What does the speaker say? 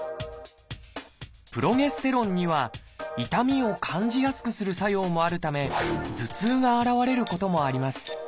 プロゲステロンには痛みを感じやすくする作用もあるため頭痛が現れることもあります。